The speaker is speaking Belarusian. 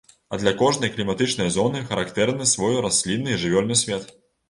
А для кожнай кліматычнай зоны характэрны свой раслінны і жывёльны свет.